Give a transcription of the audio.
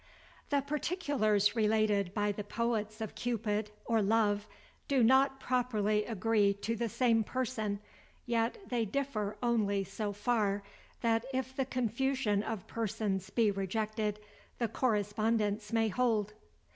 The particulars related by the poets of Cupid, or Love, do not properly agree to the same person, yet they differ only so far, that if the confusion of persons be rejected, the correspondence may hold.